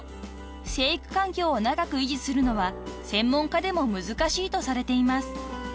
［飼育環境を長く維持するのは専門家でも難しいとされています］